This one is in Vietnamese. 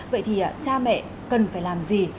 vậy thì cha mẹ cần phải làm gì